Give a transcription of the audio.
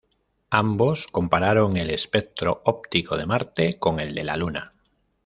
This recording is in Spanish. Ambos compararon el espectro óptico de Marte con el de la Luna.